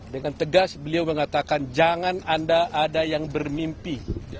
dengan tegas beliau mengatakan jangan anda ada yang bermimpi